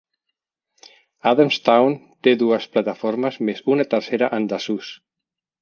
Adamstown té dues plataformes més una tercera en desús.